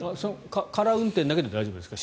空運転だけで大丈夫ですか？